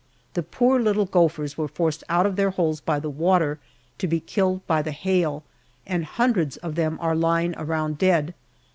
The poor little gophers were forced out of their holes by the water, to be killed by the hail, and hundreds of them are lying around dead.